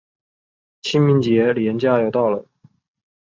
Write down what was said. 清明节连假要到了